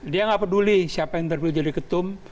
dia nggak peduli siapa yang terpilih jadi ketum